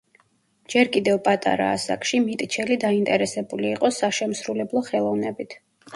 ჯერ კიდევ პატარა ასაკში, მიტჩელი დაინტერესებული იყო საშემსრულებლო ხელოვნებით.